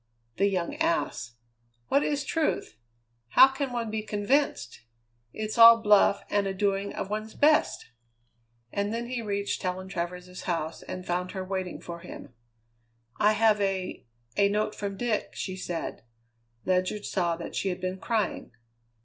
The young ass! What is truth? How can one be convinced? It's all bluff and a doing of one's best!" And then he reached Helen Travers's house and found her waiting for him. "I have a a note from Dick," she said. Ledyard saw that she had been crying.